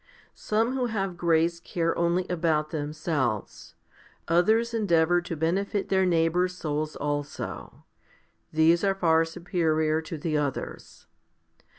Some who have grace care only about them selves, others endeavour to benefit their neighbour's souls also. These are far superior to the others.